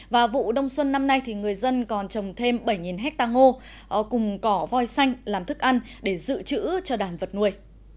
và vụ đông xuân năm nay thì người dân còn trồng thêm bảy hectare ngô cùng cỏ voi xanh làm thức ăn để dự trữ cho đàn vật nuôi